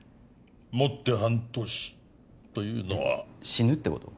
もって半年というのは死ぬってこと？